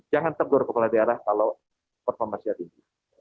jangan tegur kepala daerah kalau performasinya tinggi